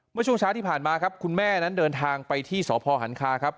เมื่อช่วงเช้าที่ผ่านมาครับคุณแม่นั้นเดินทางไปที่สพหันคาครับ